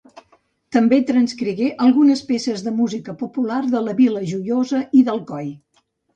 També transcrigué algunes peces de música popular de la Vila Joiosa i d'Alcoi.